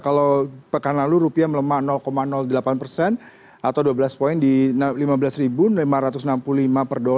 kalau pekan lalu rupiah melemah delapan persen atau dua belas poin di lima belas lima ratus enam puluh lima